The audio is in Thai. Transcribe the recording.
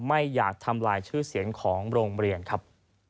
ไม่อยากทำลายชื่อเสียงของโรงเรียนครับ